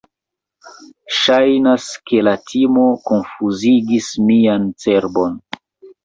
Ŝajnas, ke la timo konfuzigis mian cerbon.